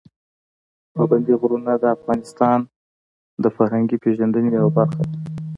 پابندي غرونه د افغانانو د فرهنګي پیژندنې یوه برخه ده.